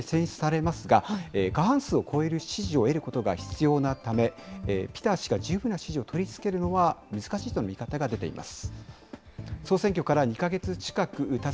首相は上下両院の合わせて７５０人の投票で選出されますが、過半数を超える支持を得ることが必要なため、ピター氏が十分な支持を取り付けるのは、難しいという見方が出ています。